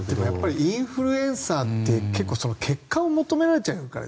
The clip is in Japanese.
インフルエンサーって結構、結果を求められちゃうから。